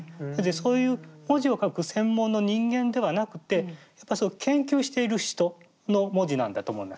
そういう文字を書く専門の人間ではなくて研究している人の文字なんだと思います。